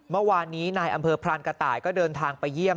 เมื่อวานนี้นายอำเภอพรานกระต่ายก็เดินทางไปเยี่ยม